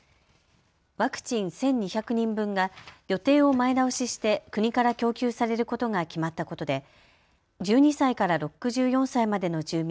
ワクチン１２００人分が予定を前倒しして国から供給されることが決まったことで１２歳から６４歳までの住民